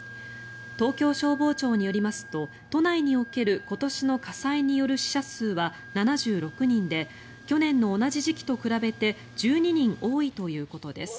東京消防庁によりますと都内における今年の火災による死者数は７６人で去年の同じ時期と比べて１２人多いということです。